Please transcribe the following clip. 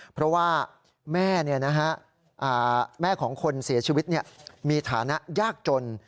เพราะว่าแม่แม่ของคนเสียชีวิตมีฐานะยากจน